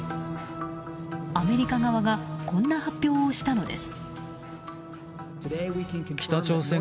アメリカ側がこんな発表をしたのです。